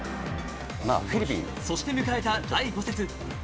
そして迎えた第５節。